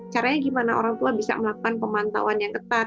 caranya gimana orang tua bisa melakukan pemantauan yang ketat